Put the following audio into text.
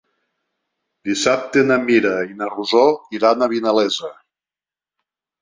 Dissabte na Mira i na Rosó iran a Vinalesa.